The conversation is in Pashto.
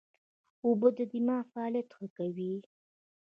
اوبه د دماغ فعالیت ښه کوي